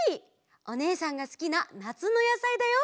おねえさんがすきななつのやさいだよ。